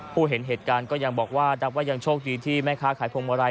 เห็นเหตุการณ์ก็ยังบอกว่านับว่ายังโชคดีที่แม่ค้าขายพวงมาลัย